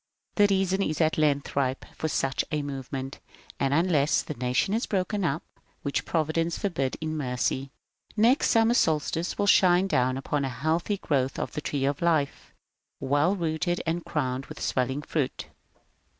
The season is at length ripe for such a movement. And unless the nation is broken up^ — which Providence forbid in mercy, — next summer's solstice will shine down upon a healthy growth of the Tree of Life, well rooted and crowned with 344 MONCURE DANIEL CONWAY swelling fruit.